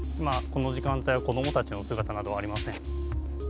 この時間帯は子供たちの姿などはありません。